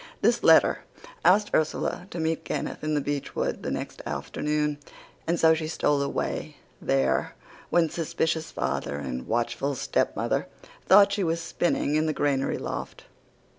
This letter asked Ursula to meet Kenneth in the beechwood the next afternoon, and so she stole away there when suspicious father and watchful stepmother thought she was spinning in the granary loft."